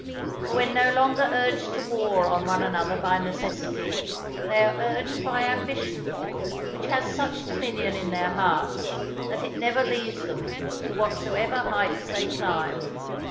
For when no longer urged to war on one another by necessity, they are urged by ambition, which has such dominion in their hearts that it never leaves them to whatsoever heights they climb.